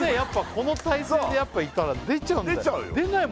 この体勢でいたら出ちゃうんだよ出ない